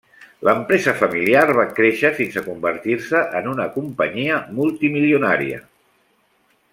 L'empresa familiar va créixer fins a convertir-se en una companyia multimilionària.